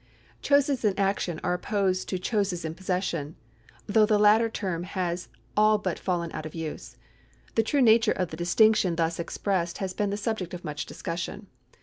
Choscs in action are opposed to choses in possession, though the latter term has all but fallen out of use. The true nature of the distinction thus expressed has been the subject of much discussion.